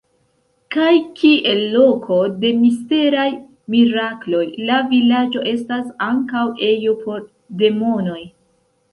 Kaj kiel loko de misteraj mirakloj la vilaĝo estas ankaŭ ejo por demonoj.